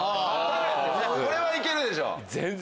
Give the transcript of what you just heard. これは行けるでしょ？